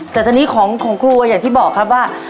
แต่ทีนี้ของคุณคุณแบบที่บอกครับว่า